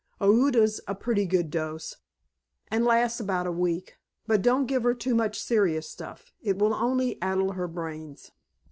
Ouida's a pretty good dose and lasts about a week. But don't give her too much serious stuff. It will only addle her brains."